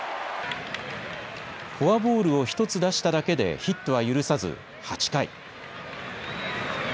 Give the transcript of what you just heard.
フォアボールを１つ出しただけでヒットは許さず、８回。